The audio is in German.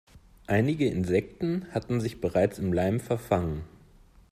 Einige Insekten hatten sich bereits im Leim verfangen.